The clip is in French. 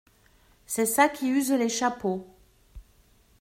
C’est ça qui use les chapeaux.